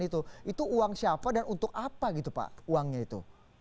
itu uang siapa dan untuk apa gitu pak uangnya itu